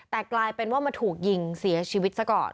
แต่กลายเป็นว่ามาถูกยิงเสียชีวิตซะก่อน